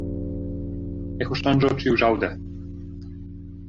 Eĥoŝanĝo ĉiuĵaŭde!